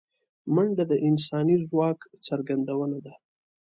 منډه د انساني ځواک څرګندونه ده